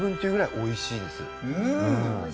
おいしいです。